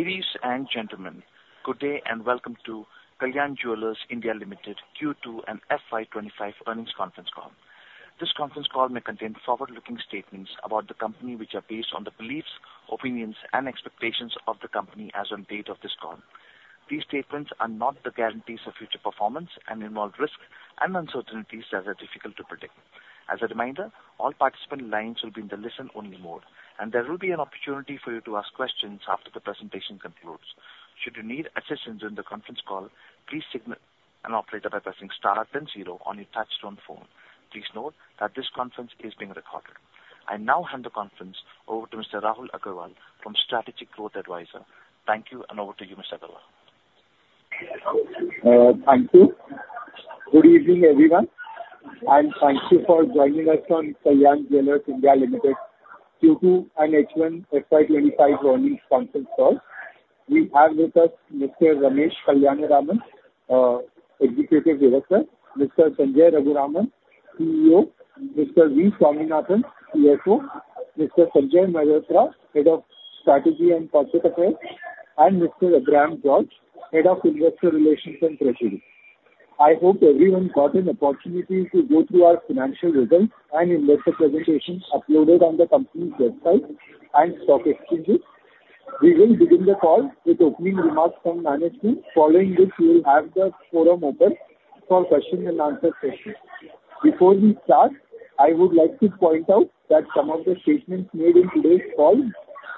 Ladies and gentlemen, good day and welcome to Kalyan Jewellers India Limited Q2 and FY2025 Earnings Conference Call. This conference call may contain forward-looking statements about the company, which are based on the beliefs, opinions, and expectations of the company as of the date of this call. These statements are not the guarantees of future performance and involve risks and uncertainties that are difficult to predict. As a reminder, all participant lines will be in the listen-only mode, and there will be an opportunity for you to ask questions after the presentation concludes. Should you need assistance during the conference call, please signal and operate by pressing star the zero on your touchtone phone. Please note that this conference is being recorded. I now hand the conference over to Mr. Rahul Agarwal from Strategic Growth Advisors. Thank you, and over to you, Mr. Agarwal. Thank you. Good evening, everyone. And thank you for joining us on Kalyan Jewellers India Limited Ramesh Kalyanaraman, Q2 and H1, FY2025 Earnings Conference Call. We have with us Mr. Ramesh Kalyanaraman, Executive Director, Mr. Sanjay Raghuraman, CEO, Mr. V. Swaminathan, CFO, Mr. Sanjay Mehrotra, Head of Strategy and Corporate Affairs, and Mr. Abraham George, Head of Investor Relations and Treasury. I hope everyone got an opportunity to go through our financial results and investor presentation uploaded on the company's website and stock exchanges. We will begin the call with opening remarks from management. Following this, we will have the forum open for question-and-answer sessions. Before we start, I would like to point out that some of the statements made in today's call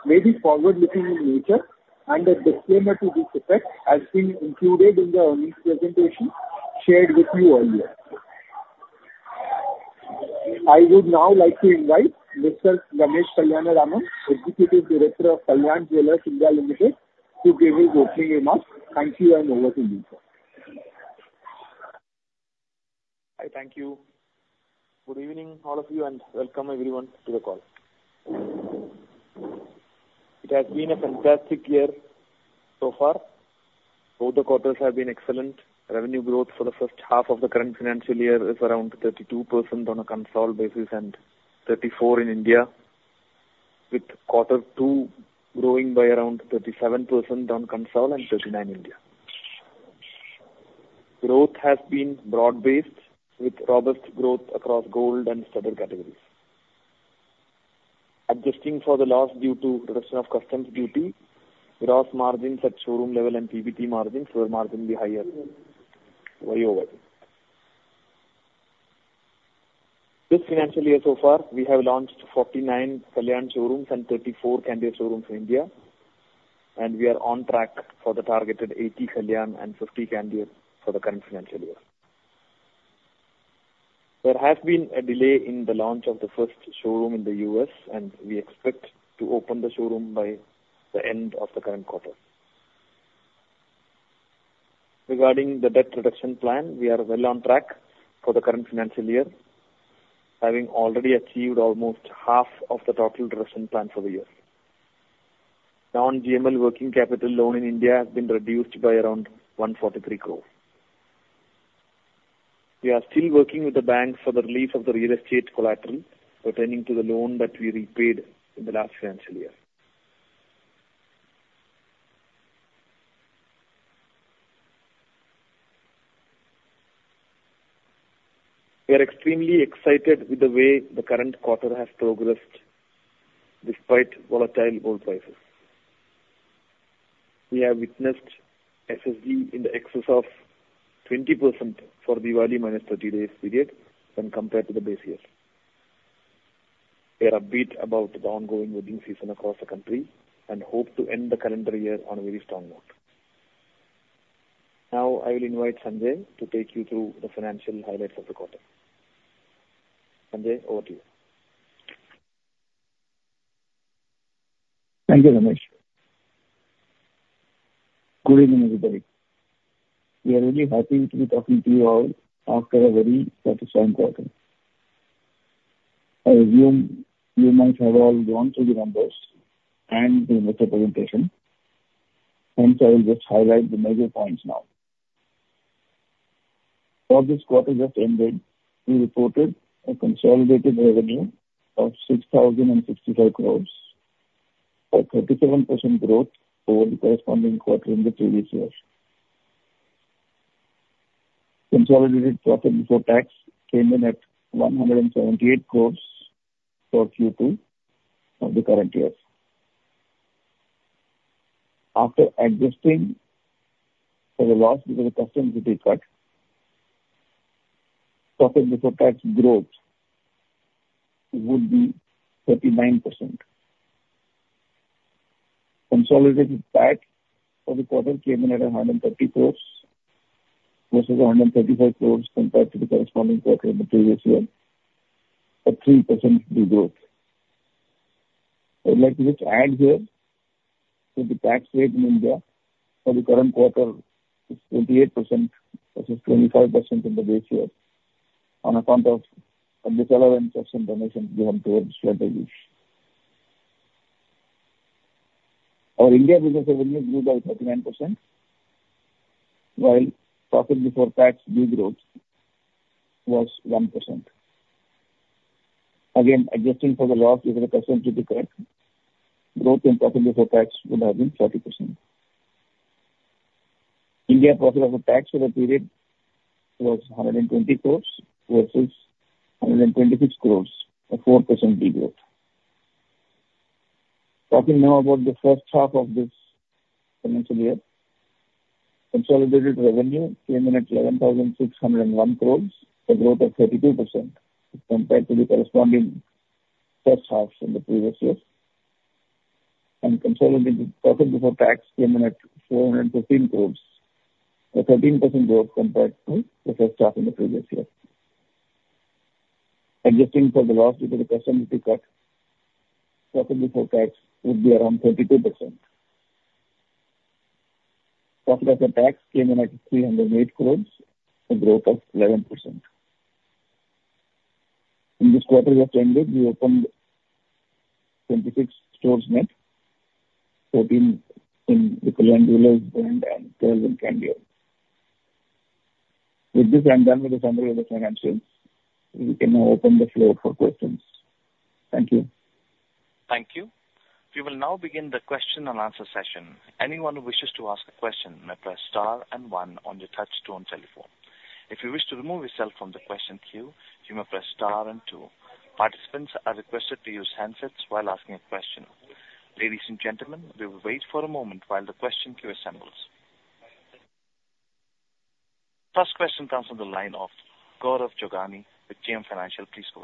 may be forward-looking in nature, and a disclaimer to this effect has been included in the earnings presentation shared with you earlier. I would now like to invite Mr. Ramesh Kalyanaraman, Executive Director of Kalyan Jewellers India Limited, to give his opening remarks. Thank you, and over to you, sir. Hi, thank you. Good evening, all of you, and welcome everyone to the call. It has been a fantastic year so far. Both the quarters have been excellent. Revenue growth for the first half of the current financial year is around 32% on a consolidated basis and 34% in India, with Q2 growing by around 37% on consolidated and 39% in India. Growth has been broad-based with robust growth across gold and studded categories. Adjusting for the loss due to reduction of customs duty, gross margins at showroom level and PBT margins were marginally higher than ever. This financial year so far, we have launched 49 Kalyan showrooms and 34 Candere showrooms in India, and we are on track for the targeted 80 Kalyan and 50 Candere for the current financial year. There has been a delay in the launch of the first showroom in the U.S., and we expect to open the showroom by the end of the current quarter. Regarding the debt reduction plan, we are well on track for the current financial year, having already achieved almost half of the total reduction plan for the year. Non-GML working capital loan in India has been reduced by around 143 crores. We are still working with the bank for the release of the real estate collateral pertaining to the loan that we repaid in the last financial year. We are extremely excited with the way the current quarter has progressed despite volatile gold prices. We have witnessed SSG in excess of 20% for Diwali minus 30 days period when compared to the base year. We are upbeat about the ongoing wedding season across the country and hope to end the calendar year on a very strong note. Now, I will invite Sanjay to take you through the financial highlights of the quarter. Sanjay, over to you. Thank you, Ramesh. Good evening, everybody. We are really happy to be talking to you all after a very satisfying quarter. I assume you might have all gone through the numbers and the investor presentation. Hence, I will just highlight the major points now. For this quarter just ended, we reported a consolidated revenue of 6,065 crores, a 37% growth over the corresponding quarter in the previous year. Consolidated profit before tax came in at 178 crores for Q2 of the current year. After adjusting for the loss because of customs duty cut, profit before tax growth would be 39%. Consolidated tax for the quarter came in at 130 crores versus 135 crores compared to the corresponding quarter in the previous year, a 3% growth. I would like to just add here that the tax rate in India for the current quarter is 28% versus 25% in the base year on account of the disallowance of some donations given towards strategies. Our India business revenue grew by 39%, while profit before tax growth was 1%. Again, adjusting for the loss because of customs duty cut, growth in profit before tax would have been 30%. India profit after tax for the period was 120 crores versus 126 crores, a 4% growth. Talking now about the first half of this financial year, consolidated revenue came in at 11,601 crores, a growth of 32% compared to the corresponding first half in the previous year. And consolidated profit before tax came in at 415 crores, a 13% growth compared to the first half in the previous year. Adjusting for the loss because of customs duty cut, profit before tax would be around 32%. Profit after tax came in at 308 crores, a growth of 11%. In this quarter just ended, we opened 26 stores net, 14 in the Kalyan Jewellers brand and 12 in Candere. With this, I'm done with the summary of the financials. We can now open the floor for questions. Thank you. Thank you. We will now begin the question and answer session. Anyone who wishes to ask a question may press star and one on your touch-tone telephone. If you wish to remove yourself from the question queue, you may press star and two. Participants are requested to use handsets while asking a question. Ladies and gentlemen, we will wait for a moment while the question queue assembles. First question comes from the line of Gaurav Jogani with JM Financial. Please go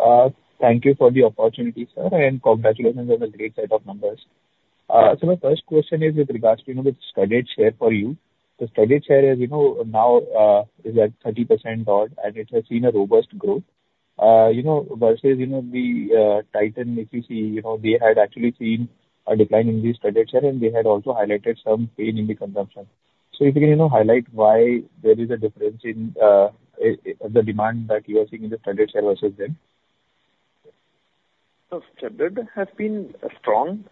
ahead. Thank you for the opportunity, sir, and congratulations on the great set of numbers. So my first question is with regards to the credit share for you. The credit share is now at 30% odd, and it has seen a robust growth versus the Titan, if you see. They had actually seen a decline in the credit share, and they had also highlighted some pain in the consumption. So if you can highlight why there is a difference in the demand that you are seeing in the credit share versus them? The credit has been strong,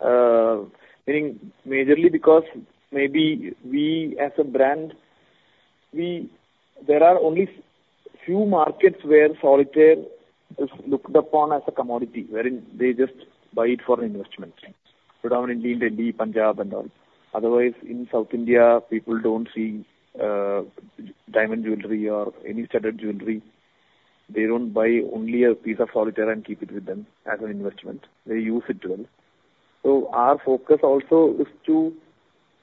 meaning majorly because maybe we as a brand, there are only a few markets where solitaire is looked upon as a commodity, wherein they just buy it for investment, predominantly in Delhi, Punjab, and all. Otherwise, in South India, people don't see diamond jewelry or any standard jewelry. They don't buy only a piece of solitaire and keep it with them as an investment. They use it well. So our focus also is to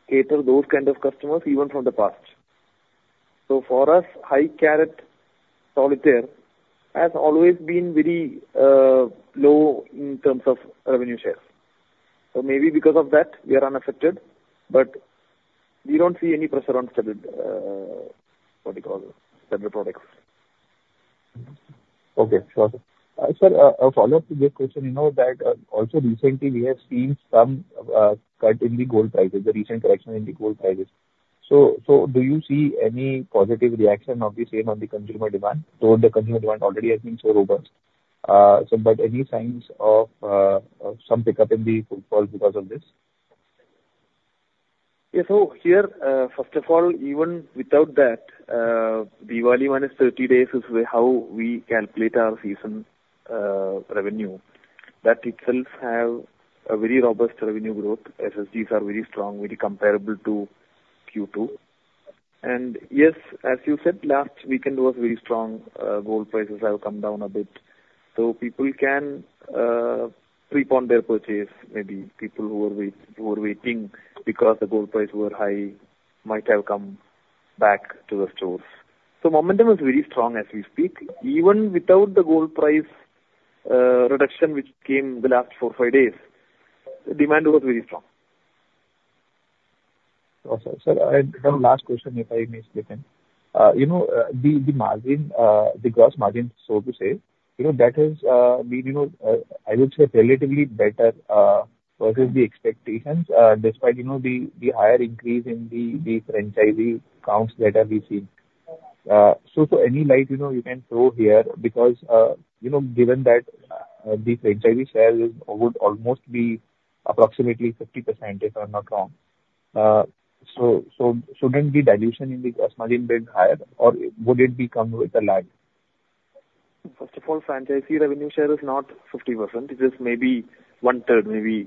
cater to those kinds of customers even from the past. So for us, high-carat solitaire has always been very low in terms of revenue shares. So maybe because of that, we are unaffected, but we don't see any pressure on what you call standard products. Okay, sure. Sir, a follow-up to this question, you know that also recently we have seen some cut in the gold prices, the recent correction in the gold prices. So do you see any positive reaction of the same on the consumer demand? Though the consumer demand already has been so robust, but any signs of some pickup in the portfolio because of this? Yeah, so here, first of all, even without that, Diwali minus 30 days is how we calculate our season revenue. That itself has a very robust revenue growth. SSGs are very strong, very comparable to Q2. And yes, as you said, last weekend was very strong. Gold prices have come down a bit. So people can prepone purchase, maybe people who were waiting because the gold prices were high might have come back to the stores. So momentum is very strong as we speak. Even without the gold price reduction which came in the last four or five days, the demand was very strong. Awesome. Sir, I have a last question if I may speak in. The margin, the gross margin, so to say, that has been, I would say, relatively better versus the expectations despite the higher increase in the franchisee counts that have been seen. So any light you can throw here because given that the franchisee share would almost be approximately 50%, if I'm not wrong. So shouldn't the dilution in the gross margin be higher, or would it become with a lag? First of all, franchisee revenue share is not 50%. It is maybe one-third, maybe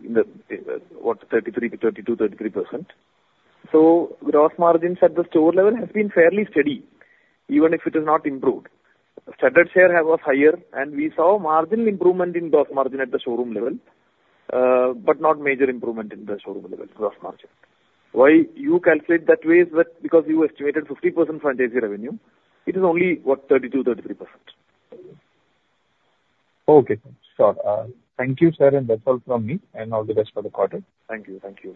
what, 32%-33%. So gross margins at the store level have been fairly steady, even if it has not improved. Standard share was higher, and we saw marginal improvement in gross margin at the showroom level, but not major improvement in the showroom level gross margin. Why you calculate that way is because you estimated 50% franchisee revenue. It is only what, 32%-33%. Okay, sure. Thank you, sir, and that's all from me, and all the best for the quarter. Thank you. Thank you.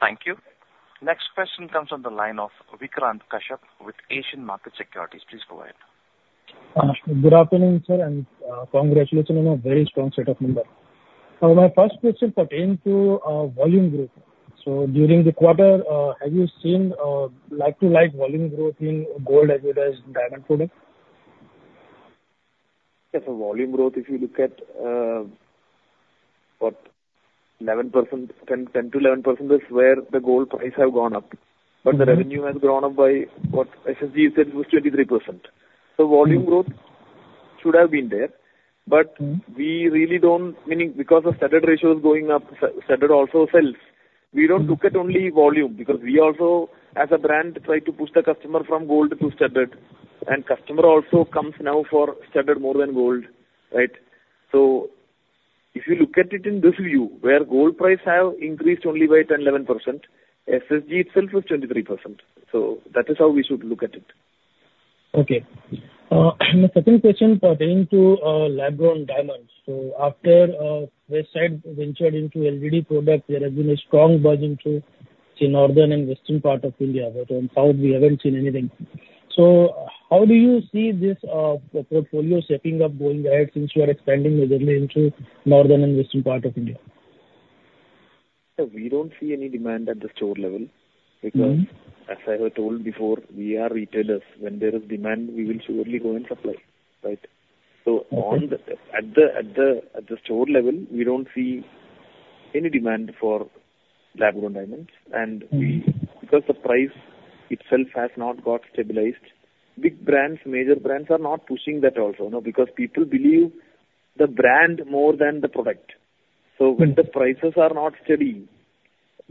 Thank you. Next question comes from the line of Vikrant Kashyap with Asian Market Securities. Please go ahead. Good afternoon, sir, and congratulations on a very strong set of numbers. My first question pertains to volume growth. So during the quarter, have you seen like-for-like volume growth in gold as well as diamond products? Yes, so volume growth, if you look at what, 11%, 10%-11% is where the gold price has gone up, but the revenue has grown up by what SSG said was 23%. So volume growth should have been there, but we really don't, meaning because of standard ratios going up, standard also sells. We don't look at only volume because we also, as a brand, try to push the customer from gold to standard, and customer also comes now for standard more than gold, right? So if you look at it in this view, where gold price has increased only by 10%, 11%, SSG itself is 23%. So that is how we should look at it. Okay. My second question pertaining to lab grown diamonds. So after Westside ventured into LGD product, there has been a strong burst into the northern and western part of India. But on the south, we haven't seen anything. So how do you see this portfolio shaping up going ahead since you are expanding majorly into northern and western part of India? So we don't see any demand at the store level because, as I have told before, we are retailers. When there is demand, we will surely go and supply, right? So at the store level, we don't see any demand for lab grown diamonds. And because the price itself has not got stabilized, big brands, major brands are not pushing that also, because people believe the brand more than the product. So when the prices are not steady,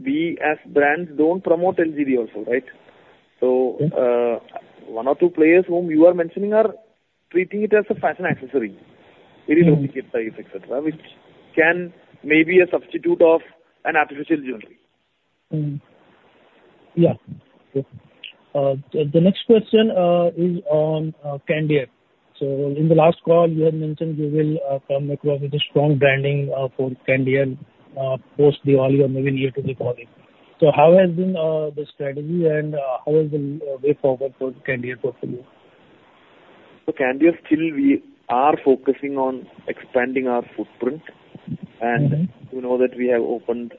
we as brands don't promote LGD also, right? So one or two players whom you are mentioning are treating it as a fashion accessory, very low-ticket types, etc., which can maybe be a substitute of an artificial jewelry. Yeah. The next question is on Candere. So in the last call, you had mentioned you will come across with a strong branding for Candere post the earlier maybe year to the call. So how has been the strategy and how is the way forward for the Candere portfolio? For Candere, still we are focusing on expanding our footprint, and you know that we have opened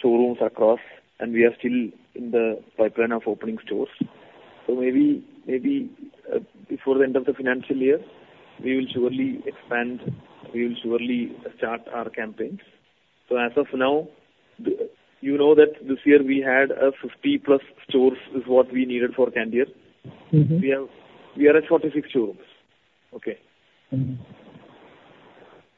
showrooms across, and we are still in the pipeline of opening stores. So maybe before the end of the financial year, we will surely expand, we will surely start our campaigns. So as of now, you know that this year we had 50-plus stores is what we needed for Candere. We are at 46 showrooms. Okay.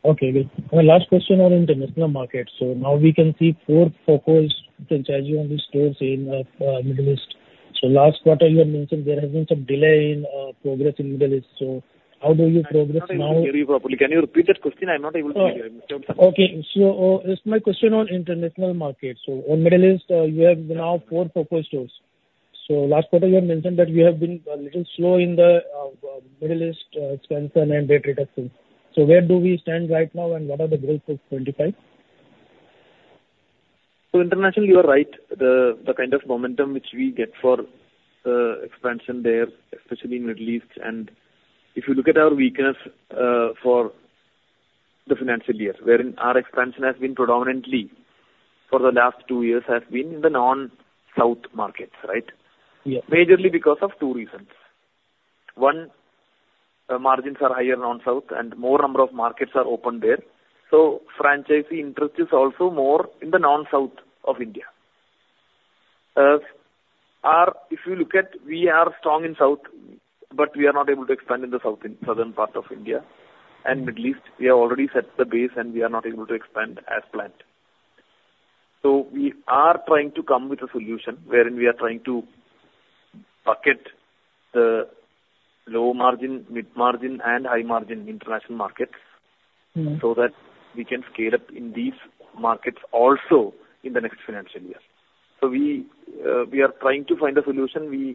Okay. My last question on international markets. So now we can see four FOCO franchisees on the stores in the Middle East. So last quarter, you had mentioned there has been some delay in progress in the Middle East. So how do you progress now? Can you repeat that question? I'm not able to hear you. Okay. So my question on international markets. So on the Middle East, you have now four FOCO stores. So last quarter, you had mentioned that you have been a little slow in the Middle East expansion and rate reduction. So where do we stand right now, and what are the growth of 2025? So internationally, you are right. The kind of momentum which we get for the expansion there, especially in the Middle East, and if you look at our weakness for the financial year, wherein our expansion has been predominantly for the last two years has been in the non-south markets, right? Yes. Majorly because of two reasons. One, margins are higher non-South, and more number of markets are open there. So franchisee interest is also more in the non-South of India. If you look at, we are strong in South, but we are not able to expand in the southern part of India and Middle East. We have already set the base, and we are not able to expand as planned. So we are trying to come with a solution wherein we are trying to bucket the low margin, mid margin, and high margin international markets so that we can scale up in these markets also in the next financial year. So we are trying to find a solution.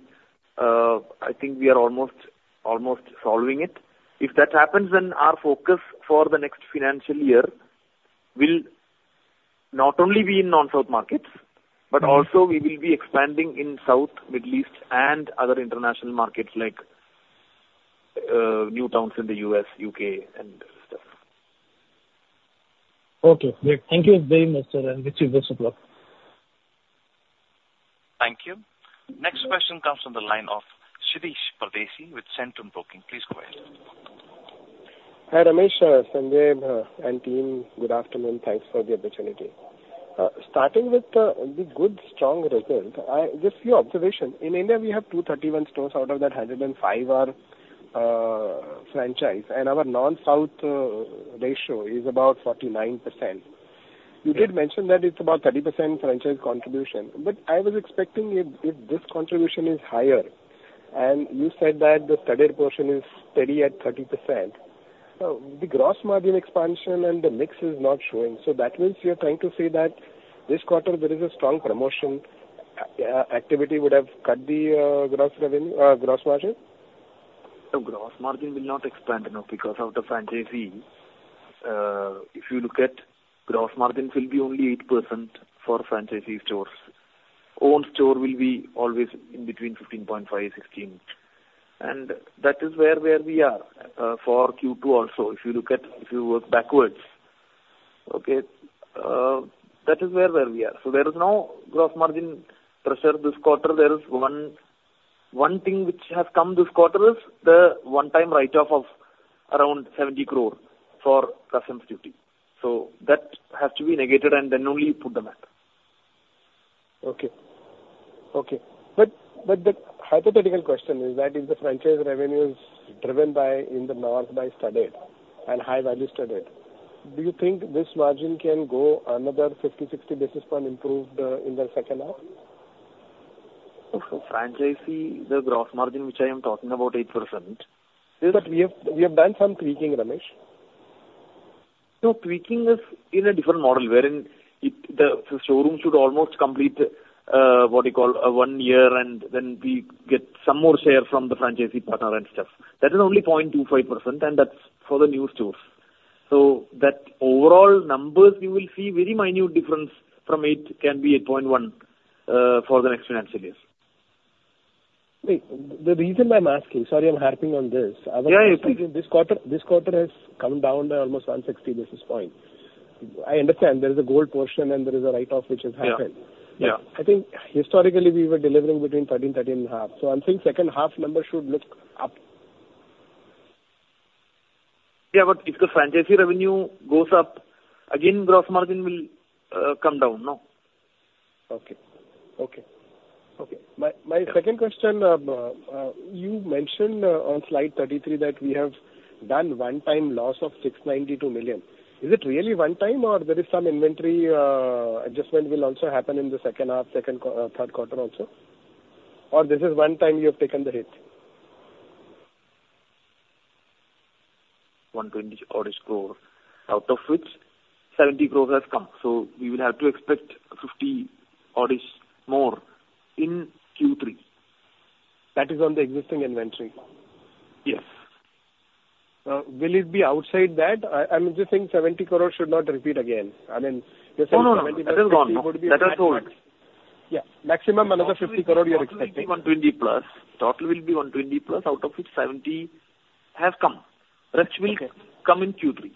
I think we are almost solving it. If that happens, then our focus for the next financial year will not only be in non-South markets, but also we will be expanding in South, Middle East, and other international markets like new towns in the U.S., U.K., and stuff. Okay. Thank you very much, sir, and wish you the best of luck. Thank you. Next question comes from the line of Shirish Pardeshi with Centrum Broking. Please go ahead. Hi, Ramesh. Sanjay and team, good afternoon. Thanks for the opportunity. Starting with the good strong result, just a few observations. In India, we have 231 stores out of that 105 are franchise, and our non-South ratio is about 49%. You did mention that it's about 30% franchise contribution, but I was expecting if this contribution is higher, and you said that the studded portion is steady at 30%. The gross margin expansion and the mix is not showing. So that means you're trying to say that this quarter, there is a strong promotion activity would have cut the gross margin? So gross margin will not expand, no, because of the franchisee. If you look at gross margin, it will be only 8% for franchisee stores. Own store will be always in between 15.5%-16%. And that is where we are for Q2 also. If you look at, if you work backwards, okay, that is where we are. So there is no gross margin pressure this quarter. There is one thing which has come this quarter is the one-time write-off of around 70 crore for customs duty. So that has to be negated, and then only put them up. Okay. But the hypothetical question is that if the franchise revenue is driven in the north by studded and high-value studded, do you think this margin can go another 50, 60 basis points improved in the second half? Franchisee, the gross margin which I am talking about, 8%. But we have done some tweaking, Ramesh. So tweaking is in a different model wherein the showroom should almost complete what you call one year, and then we get some more share from the franchisee partner and stuff. That is only 0.25%, and that's for the new stores. So that overall numbers, you will see very minute difference from eight can be 8.1% for the next financial year. The reason why I'm asking, sorry, I'm harping on this. Yeah, it's okay. This quarter has come down by almost 160 basis points. I understand there is a gold portion, and there is a write-off which has happened. I think historically, we were delivering between 13%-13.5%. So I'm saying second half number should look up. Yeah, but if the franchisee revenue goes up, again, gross margin will come down, no? My second question, you mentioned on slide 33 that we have done one-time loss of 692 million. Is it really one time, or there is some inventory adjustment will also happen in the second half, second, third quarter also? Or this is one time you have taken the hit? 120 odd crores, out of which 70 crores have come. So we will have to expect 50 odds more in Q3. That is on the existing inventory? Yes. Will it be outside that? I'm just saying 70 crores should not repeat again. I mean, you said 70 plus would be maximum. No, no, no. That has gone. Yeah. Maximum another 50 crores you're expecting? It will be 120 plus. Total will be 120 plus, out of which 70 have come, which will come in Q3.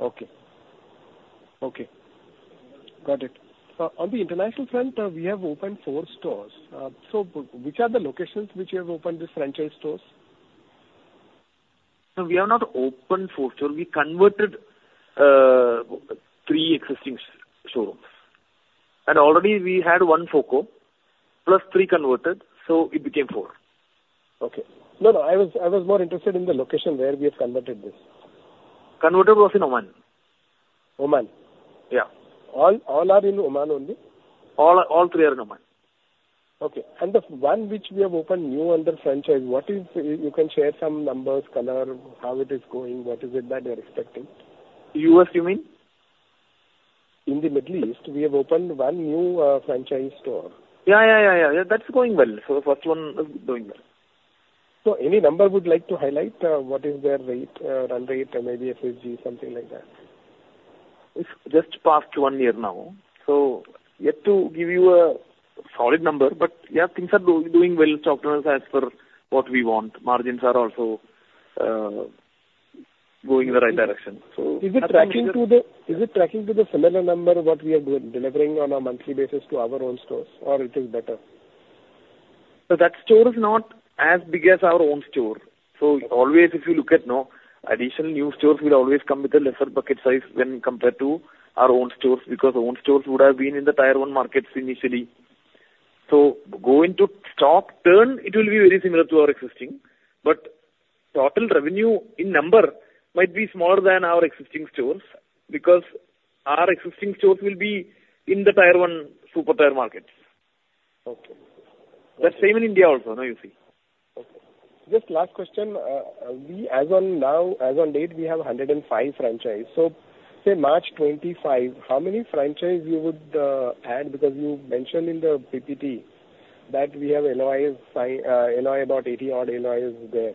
Okay. Okay. Got it. On the international front, we have opened four stores. So which are the locations which you have opened these franchise stores? So we have not opened four stores. We converted three existing showrooms. And already we had one FOCO plus three converted, so it became four. Okay. No, no. I was more interested in the location where we have converted this. Conversion was in Oman. Oman? Yeah. All are in Oman only? All three are in Oman. Okay. And the one which we have opened new under franchise, what, if you can share some numbers, color, how it is going, what is it that you're expecting? U.S., you mean? In the Middle East, we have opened one new franchise store. Yeah, yeah, yeah, yeah. That's going well. So the first one is doing well. So any number would like to highlight? What is their rate, run rate, maybe SSG, something like that? It's just past one year now. So yet to give you a solid number, but yeah, things are doing well in short term as per what we want. Margins are also going in the right direction. Is it tracking to the similar number what we are delivering on a monthly basis to our own stores, or it is better? So that store is not as big as our own store. So always if you look at additional new stores, we'll always come with a lesser bucket size when compared to our own stores because own stores would have been in the tier one markets initially. So going to stock turn, it will be very similar to our existing. But total revenue in number might be smaller than our existing stores because our existing stores will be in the tier one super tier markets. Okay. That's same in India also, you see. Okay. Just last question. As of now, as of date, we have 105 franchises. So say March 25, how many franchises you would add because you mentioned in the PPT that we have LOI about 80 odd LOIs there?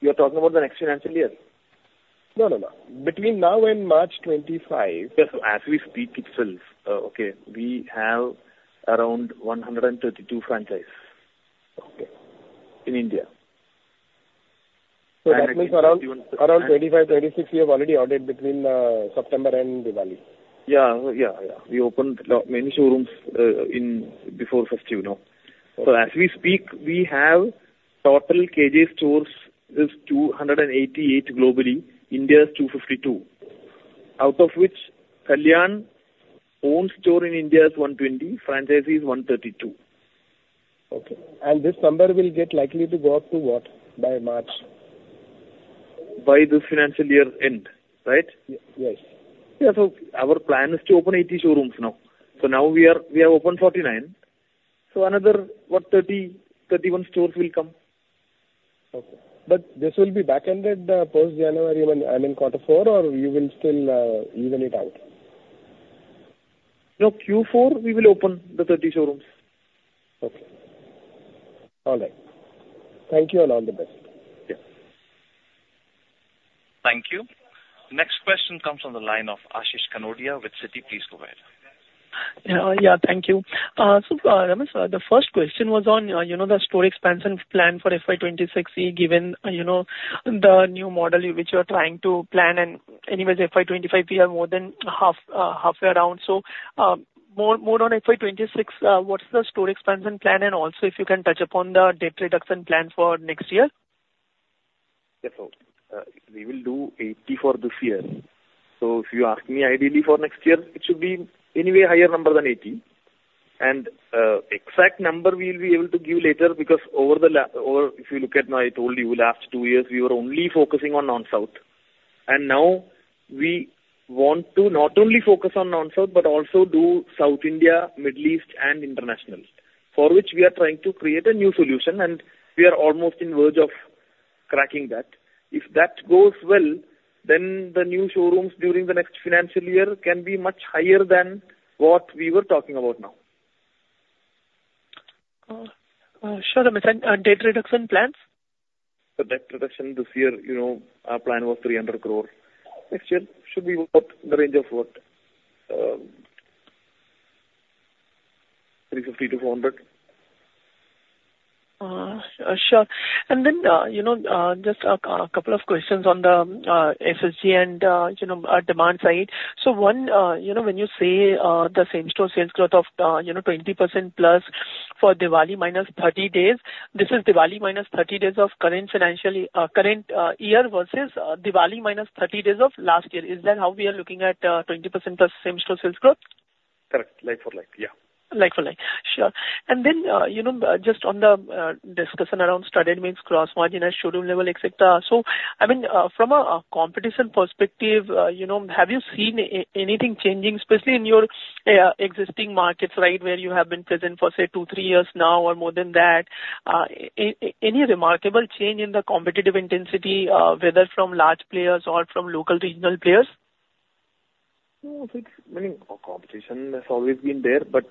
You're talking about the next financial year? No, no, no. Between now and March 25. Yes, so as we speak itself, okay, we have around 132 franchises in India. So that means around 25, 26, you have already audited between September and Diwali. Yeah, yeah, yeah. We opened many showrooms before first June. So as we speak, we have total KJ stores is 288 globally. India is 252. Out of which, Kalyan owned store in India is 120, franchisee is 132. Okay. This number will get likely to go up to what by March? By this financial year end, right? Yes. Yeah. So our plan is to open 80 showrooms now. So now we have opened 49. So another what, 30, 31 stores will come. Okay. But this will be back-ended post-January I mean, quarter four, or you will still even it out? No, Q4, we will open the 30 showrooms. Okay. All right. Thank you and all the best. Yes. Thank you. Next question comes from the line of Ashish Kanodia with Citi. Please go ahead. Yeah, thank you. So Ramesh, the first question was on the store expansion plan for FY 2026, given the new model which you are trying to plan. And anyways, FY 2025, we are more than halfway around. So more on FY 2026, what's the store expansion plan? And also if you can touch upon the debt reduction plan for next year? Yes. So we will do 80 for this year. So if you ask me, ideally for next year, it should be anyway higher number than 80. And exact number we will be able to give later because if you look at now, I told you last two years we were only focusing on non-South. And now we want to not only focus on non-South, but also do South India, Middle East, and international, for which we are trying to create a new solution, and we are almost on the verge of cracking that. If that goes well, then the new showrooms during the next financial year can be much higher than what we were talking about now. Sure. And debt reduction plans? Debt reduction this year, our plan was 300 crore. Next year should be the range of what? 350 crore-400 crore. Sure. And then just a couple of questions on the SSG and demand side. So one, when you say the same store sales growth of 20% plus for Diwali minus 30 days, this is Diwali minus 30 days of current year versus Diwali minus 30 days of last year. Is that how we are looking at 20% plus same store sales growth? Correct. Like for like. Yeah. Like for like. Sure. And then just on the discussion around studded, meaning gross margin at showroom level, etc. So I mean, from a competition perspective, have you seen anything changing, especially in your existing markets, right, where you have been present for, say, two, three years now or more than that? Any remarkable change in the competitive intensity, whether from large players or from local regional players? I think, I mean, competition has always been there, but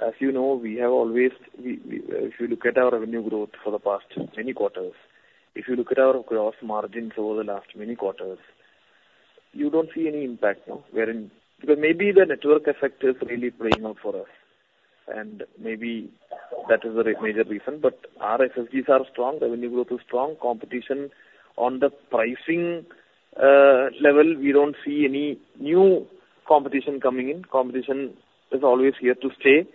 as you know, we have always, if you look at our revenue growth for the past many quarters, if you look at our gross margins over the last many quarters, you don't see any impact, no? Because maybe the network effect is really playing out for us, and maybe that is the major reason. But our SSGs are strong. Revenue growth is strong. Competition on the pricing level, we don't see any new competition coming in. Competition is always here to stay.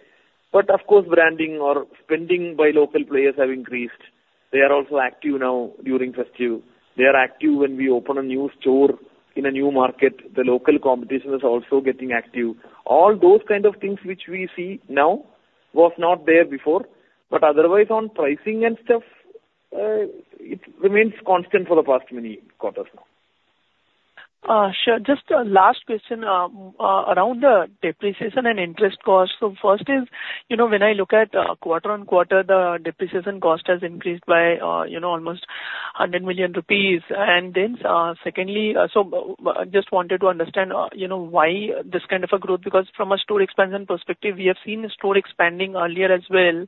But of course, branding or spending by local players have increased. They are also active now during festive. They are active when we open a new store in a new market. The local competition is also getting active. All those kind of things which we see now was not there before. But otherwise, on pricing and stuff, it remains constant for the past many quarters now. Sure. Just last question around the depreciation and interest cost, so first is when I look at quarter on quarter, the depreciation cost has increased by almost 100 million rupees, and then secondly, so I just wanted to understand why this kind of a growth because from a store expansion perspective, we have seen a store expanding earlier as well,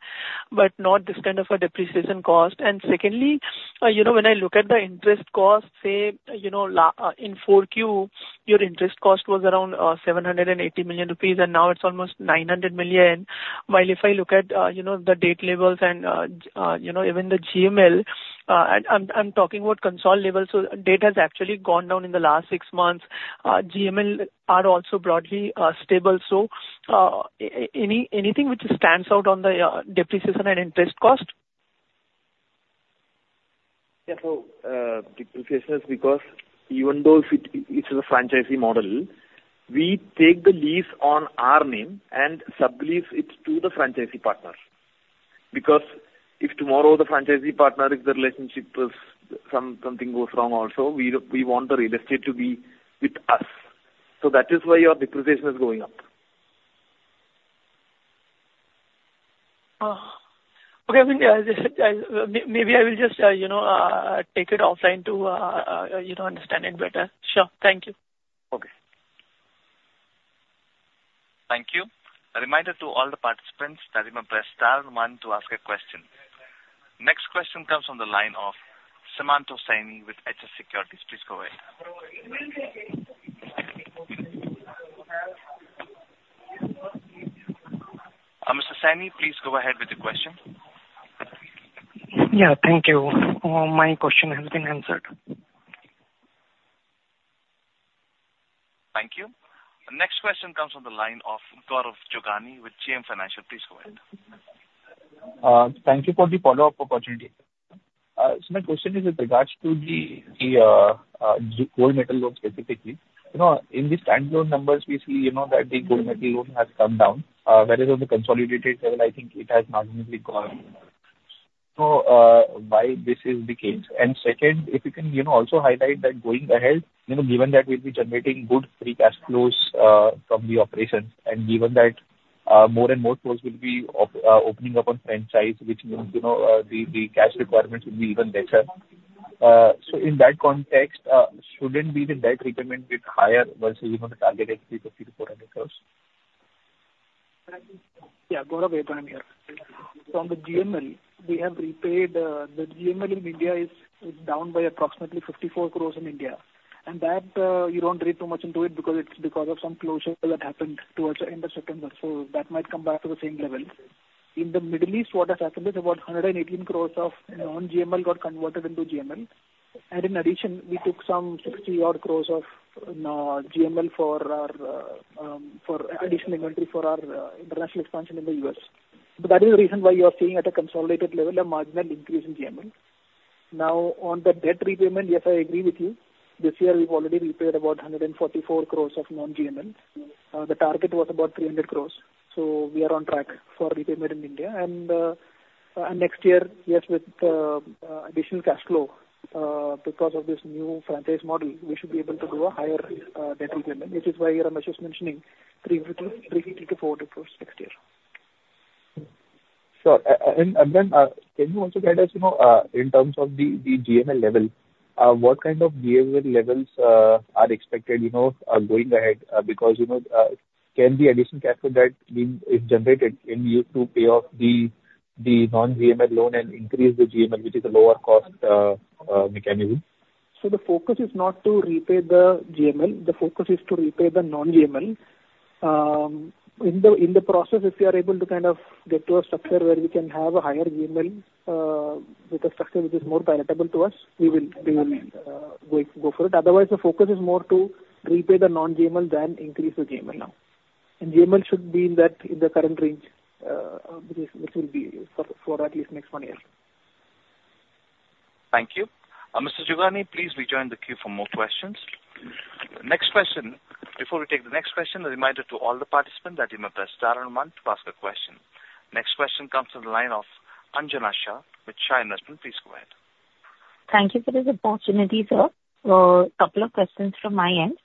but not this kind of a depreciation cost, and secondly, when I look at the interest cost, say in 4Q, your interest cost was around 780 million rupees, and now it's almost 900 million. While if I look at the debt levels and even the GML, I'm talking about consignment levels, so debt has actually gone down in the last six months. GML are also broadly stable, so anything which stands out on the depreciation and interest cost? Yeah. So depreciation is because even though it is a franchisee model, we take the lease on our name and sublease it to the franchisee partner. Because if tomorrow the franchisee partner something goes wrong also, we want the real estate to be with us. So that is why your depreciation is going up. Okay. I mean, maybe I will just take it offline to understand it better. Sure. Thank you. Okay. Thank you. A reminder to all the participants, press star one to ask a question. Next question comes from the line of Semanto Saini with [HS Securities]. Please go ahead. Ms. Saini, please go ahead with the question. Yeah. Thank you. My question has been answered. Thank you. Next question comes from the line of Gaurav Jogani with JM Financial. Please go ahead. Thank you for the follow-up opportunity. So my question is with regards to the gold metal loan specifically. In the standalone numbers, we see that the gold metal loan has come down, whereas on the consolidated level, I think it has not really gone up. So why this is the case? And second, if you can also highlight that going ahead, given that we'll be generating good free cash flows from the operations, and given that more and more stores will be opening up on franchise, which means the cash requirements will be even better. So in that context, shouldn't the debt repayment get higher versus the targeted INR 350 crores-INR 400 crores? Yeah. Gaurav, wait one year. So on the GML, we have repaid the GML in India is down by approximately 54 crores in India. And that you don't read too much into it because it's because of some closure that happened towards the end of September. And in the Middle East, what has happened is about 118 crores of non-GML got converted into GML. And in addition, we took some 60 odd crores of GML for additional inventory for our international expansion in the US. But that is the reason why you are seeing at a consolidated level a marginal increase in GML. Now, on the debt repayment, yes, I agree with you. This year, we've already repaid about 144 crores of non-GML. The target was about 300 crores. So we are on track for repayment in India. Next year, yes, with additional cash flow because of this new franchise model, we should be able to do a higher debt repayment, which is why Ramesh was mentioning 350 crores-400 crores next year. Sure. And then can you also guide us in terms of the GML level? What kind of GML levels are expected going ahead? Because can the additional cash for that be generated and used to pay off the non-GML loan and increase the GML, which is a lower cost mechanism? So the focus is not to repay the GML. The focus is to repay the non-GML. In the process, if we are able to kind of get to a structure where we can have a higher GML with a structure which is more palatable to us, we will go for it. Otherwise, the focus is more to repay the non-GML than increase the GML now. And GML should be in the current range, which will be for at least next one year. Thank you. Mr. Jogani, please rejoin the queue for more questions. Next question. Before we take the next question, a reminder to all the participants. To ask a question, please press star and one. Next question comes from the line of Anjana Shah with Shine Investment. Please go ahead. Thank you for this opportunity, sir, for a couple of questions from my end.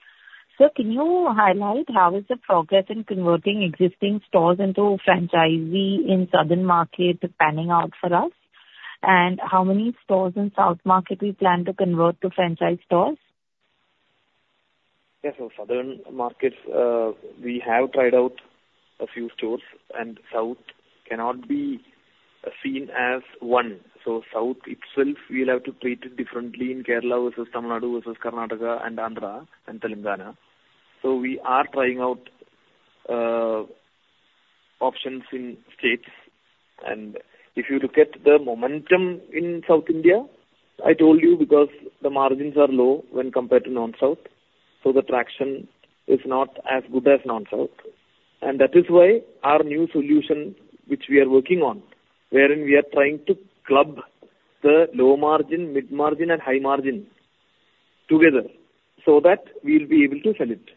Sir, can you highlight how is the progress in converting existing stores into franchisee in southern market panning out for us? And how many stores in south market we plan to convert to franchise stores? Yes. So southern market, we have tried out a few stores, and South cannot be seen as one. So South itself, we'll have to treat it differently in Kerala versus Tamil Nadu versus Karnataka and Andhra and Telangana. So we are trying out options in states. And if you look at the momentum in South India, I told you because the margins are low when compared to non-South. So the traction is not as good as non-South. And that is why our new solution, which we are working on, wherein we are trying to club the low margin, mid margin, and high margin together so that we'll be able to sell it.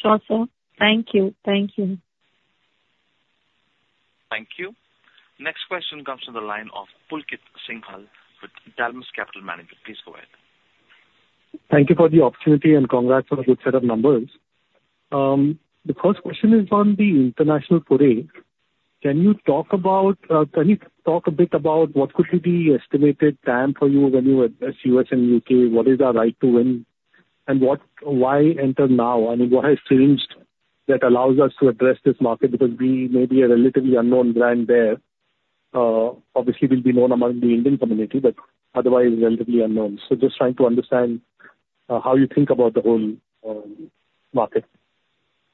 Sure, sir. Thank you. Thank you. Thank you. Next question comes from the line of Pulkit Singhal with Dalmus Capital Management. Please go ahead. Thank you for the opportunity and congrats on a good set of numbers. The first question is on the international foray. Can you talk a bit about what could be the estimated timeline for your entry into the U.S. and U.K.? What is our right to win? And why enter now? I mean, what has changed that allows us to address this market? Because we may be a relatively unknown brand there. Obviously, we'll be known among the Indian community, but otherwise, relatively unknown. So just trying to understand how you think about the whole market.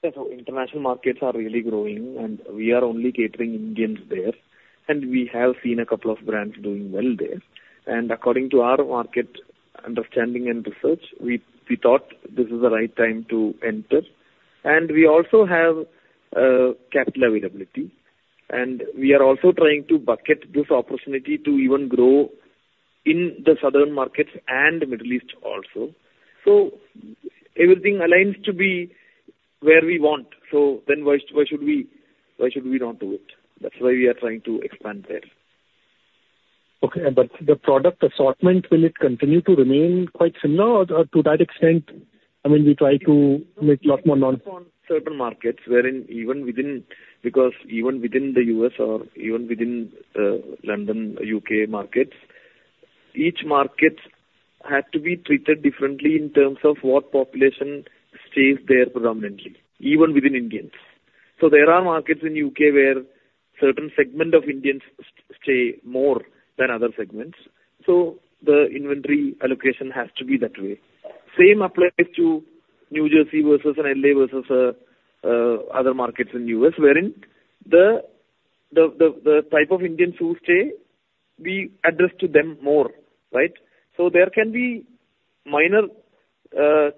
Yeah. So international markets are really growing, and we are only catering Indians there. And we have seen a couple of brands doing well there. And according to our market understanding and research, we thought this is the right time to enter. And we also have capital availability. And we are also trying to bucket this opportunity to even grow in the southern markets and Middle East also. So everything aligns to be where we want. So then why should we not do it? That's why we are trying to expand there. Okay. But the product assortment, will it continue to remain quite similar or to that extent, I mean, we try to make a lot more non-southern markets, wherein even within because even within the US or even within London, UK markets, each market had to be treated differently in terms of what population stays there predominantly, even within Indians. So there can be minor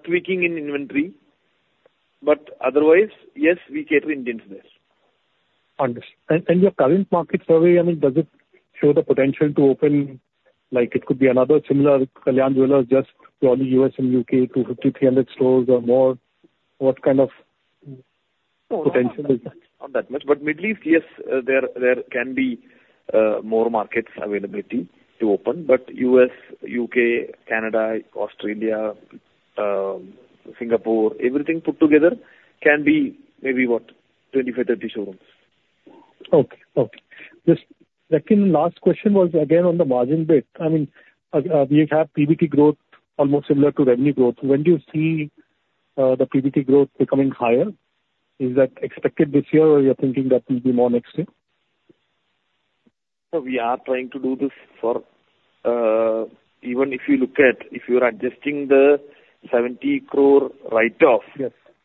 tweaking in inventory, but otherwise, yes, we cater Indians there. Understood. And your current market survey, I mean, does it show the potential to open? It could be another similar Kalyan Jewellers, just purely U.S. and U.K., 250-300 stores or more. What kind of potential is there? Not that much. But Middle East, yes, there can be more markets availability to open. But U.S., U.K., Canada, Australia, Singapore, everything put together can be maybe what, 25-30 showrooms. Okay. Okay. Just second and last question was again on the margin bit. I mean, we have PBT growth almost similar to revenue growth. When do you see the PBT growth becoming higher? Is that expected this year, or you're thinking that will be more next year? So we are trying to do this for even if you look at if you're adjusting the 70 crore write-off,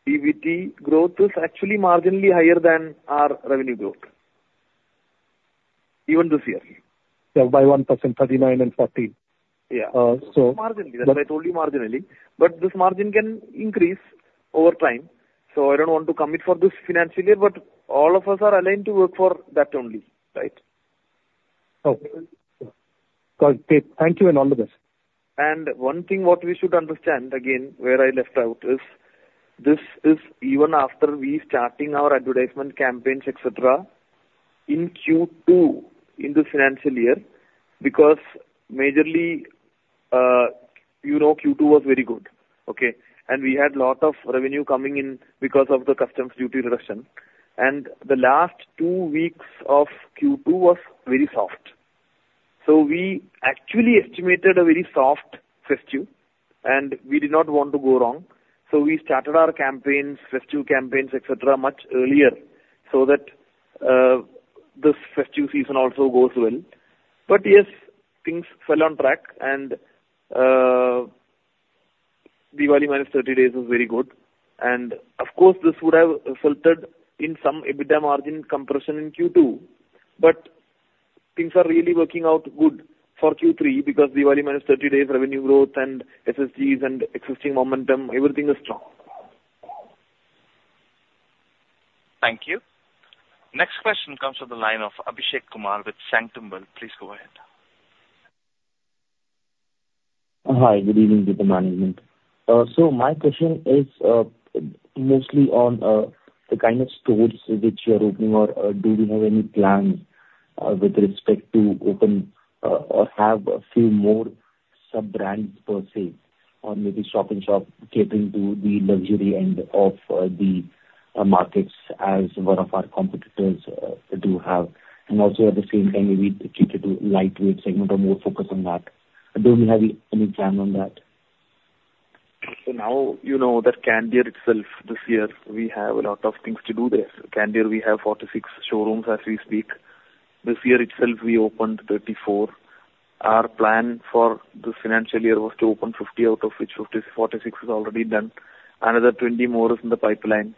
PBT growth is actually marginally higher than our revenue growth, even this year. Yeah. By 1%, 39% and 40%. Yeah. So. Marginally. That's why I told you marginally. But this margin can increase over time. So I don't want to commit for this financial year, but all of us are aligned to work for that only, right? Okay. Thank you and all the best. One thing what we should understand, again, where I left out is this is even after we starting our advertisement campaigns, etc., in Q2 in this financial year because majorly Q2 was very good, okay? We had a lot of revenue coming in because of the customs duty reduction. The last two weeks of Q2 was very soft. We actually estimated a very soft festive, and we did not want to go wrong. We started our campaigns, festive campaigns, etc., much earlier so that this festive season also goes well. Yes, things fell on track, and Diwali minus 30 days is very good. Of course, this would have resulted in some EBITDA margin compression in Q2. Things are really working out good for Q3 because Diwali minus 30 days, revenue growth, and SSGs and existing momentum, everything is strong. Thank you. Next question comes from the line of Abhishek Kumar with Sanctum Wealth. Please go ahead. Hi. Good evening, management. So my question is mostly on the kind of stores which you're opening or do we have any plans with respect to open or have a few more sub-brands per se on maybe shop-in-shop catering to the luxury end of the markets as one of our competitors do have. And also at the same time, maybe cater to lightweight segment or more focus on that. Do we have any plan on that? So now that Candere itself, this year, we have a lot of things to do there. Candere, we have 46 showrooms as we speak. This year itself, we opened 34. Our plan for this financial year was to open 50 out of which 46 is already done. Another 20 more is in the pipeline.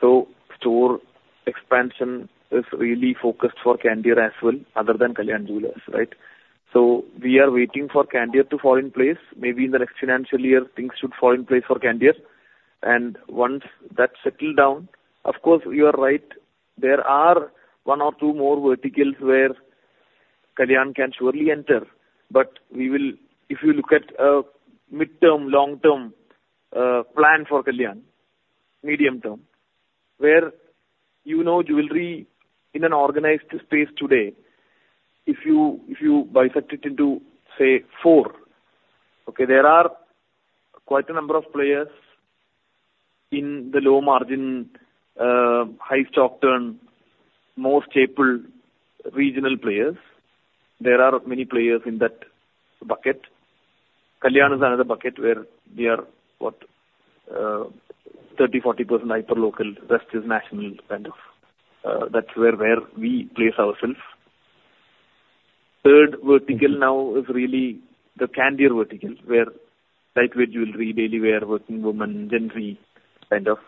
So store expansion is really focused for Candere as well other than Kalyan Jewellers, right? So we are waiting for Candere to fall in place. Maybe in the next financial year, things should fall in place for Candere. And once that settles down, of course, you are right. There are one or two more verticals where Kalyan can surely enter. But if you look at a midterm, long-term plan for Kalyan, medium term, where you know jewelry in an organized space today, if you bisect it into, say, four, okay, there are quite a number of players in the low margin, high stock turn, most staple regional players. There are many players in that bucket. Kalyan is another bucket where we are what, 30%-40% hyperlocal. Rest is national kind of. That's where we place ourselves. Third vertical now is really the Candere vertical where lightweight jewelry, daily wear, working woman, gentry kind of.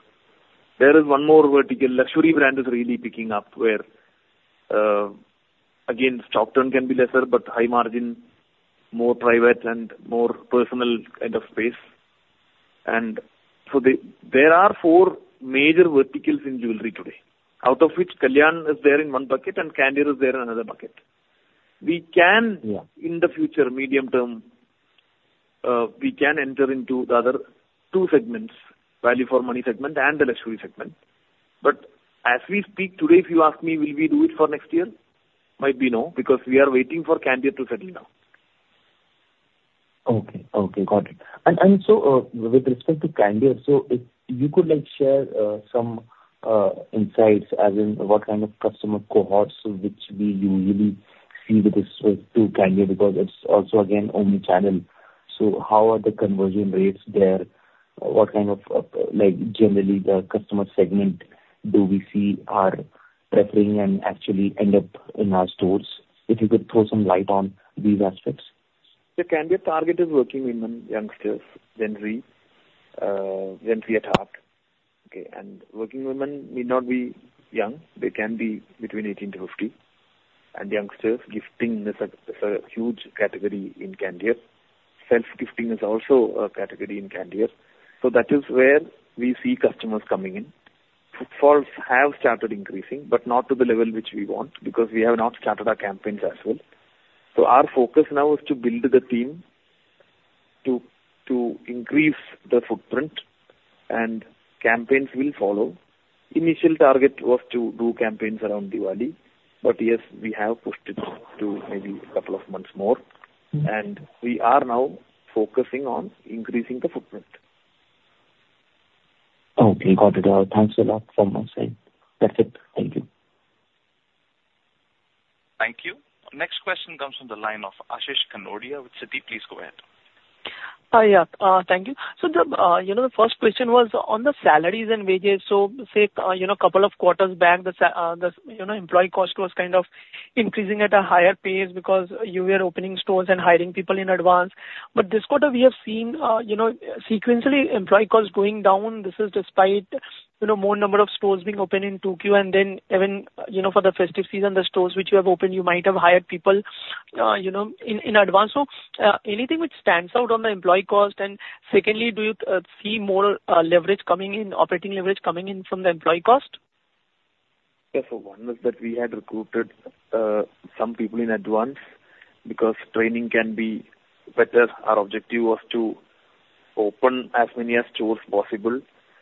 There is one more vertical. Luxury brand is really picking up where again, stock turn can be lesser, but high margin, more private and more personal kind of space. And so there are four major verticals in jewelry today, out of which Kalyan is there in one bucket and Candere is there in another bucket. We can, in the future, medium term, we can enter into the other two segments, value for money segment and the luxury segment. But as we speak today, if you ask me, will we do it for next year? Might be no because we are waiting for Candere to settle down. Okay. Okay. Got it. And so with respect to Candere, so if you could share some insights as in what kind of customer cohorts which we usually see with this to Candere because it's also, again, omnichannel. So how are the conversion rates there? What kind of generally the customer segment do we see are preferring and actually end up in our stores? If you could throw some light on these aspects. So Candere target is working women, youngsters, gentry, gentry at heart, okay? And working women need not be young. They can be between 18-50. And youngsters, gifting is a huge category in Candere. Self-gifting is also a category in Candere. So that is where we see customers coming in. Footfalls have started increasing, but not to the level which we want because we have not started our campaigns as well. So our focus now is to build the team to increase the footprint, and campaigns will follow. Initial target was to do campaigns around Diwali. But yes, we have pushed it to maybe a couple of months more. And we are now focusing on increasing the footprint. Okay. Got it. Thanks a lot from my side. That's it. Thank you. Thank you. Next question comes from the line of Ashish Kanodia. Citi, please go ahead. Hi, yeah. Thank you. So the first question was on the salaries and wages. So say a couple of quarters back, the employee cost was kind of increasing at a higher pace because you were opening stores and hiring people in advance. But this quarter, we have seen sequentially employee cost going down. This is despite more number of stores being open in 2Q. And then even for the festive season, the stores which you have opened, you might have hired people in advance. So anything which stands out on the employee cost? And secondly, do you see more leverage coming in, operating leverage coming in from the employee cost? Yes. So one was that we had recruited some people in advance because training can be better. Our objective was to open as many stores possible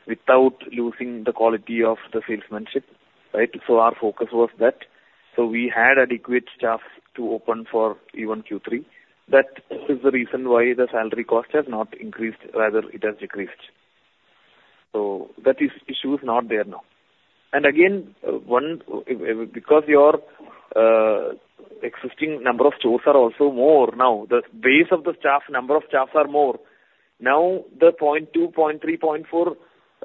without losing the quality of the salesmanship, right? So our focus was that. So we had adequate staff to open for even Q3. That is the reason why the salary cost has not increased. Rather, it has decreased. So that issue is not there now. And again, because your existing number of stores are also more now, the base of the staff, number of staff are more. Now the 0.2, 0.3, 0.4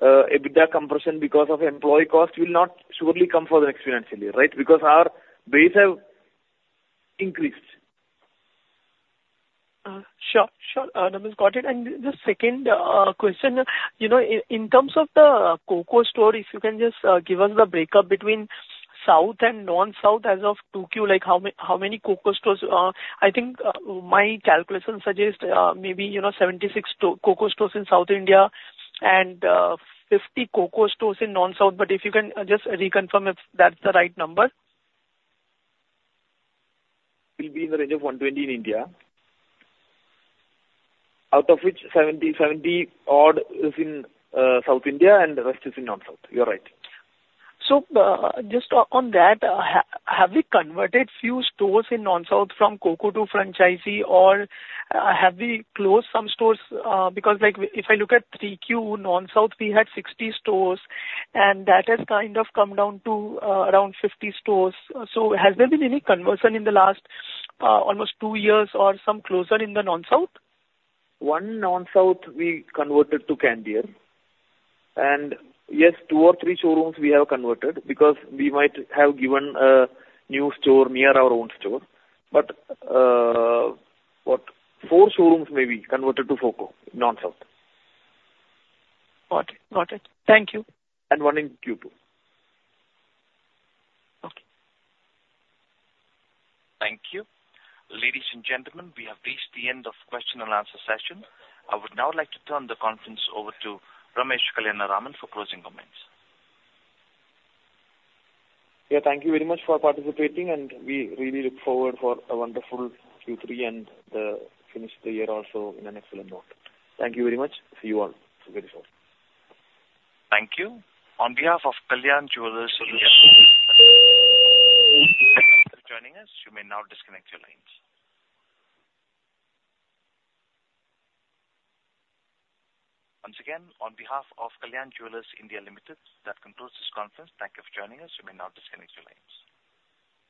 EBITDA compression because of employee cost will not surely come for the next financial year, right? Because our base have increased. Sure. Sure. That's got it. And the second question, in terms of the COCO store, if you can just give us the break-up between South and non-South as of 2Q, how many COCO stores? I think my calculation suggests maybe 76 COCO stores in South India and 50 COCO stores in non-South. But if you can just reconfirm if that's the right number. We'll be in the range of 120 in India, out of which 70, 70-odd is in South India and the rest is in non-South. You're right. So just on that, have we converted few stores in non-South from COCO to franchisee, or have we closed some stores? Because if I look at 3Q, non-South, we had 60 stores, and that has kind of come down to around 50 stores. So has there been any conversion in the last almost two years or some closures in the non-South? One non-South we converted to Candere. Yes, two or three showrooms we have converted because we might have given a new store near our own store. But four showrooms maybe converted to COCO in non-South. Got it. Got it. Thank you. One in Q2. Okay. Thank you. Ladies and gentlemen, we have reached the end of question and answer session. I would now like to turn the conference over to Ramesh Kalyanaraman for closing comments. Yeah. Thank you very much for participating, and we really look forward for a wonderful Q3 and finish the year also in an excellent mode. Thank you very much. See you all very soon. Thank you. On behalf of Kalyan Jewellers India, thank you for joining us. You may now disconnect your lines. Once again, on behalf of Kalyan Jewellers India Limited, that concludes this conference. Thank you for joining us. You may now disconnect your lines.